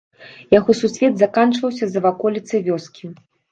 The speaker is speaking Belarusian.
Яго сусвет заканчваўся за ваколіцай вёскі.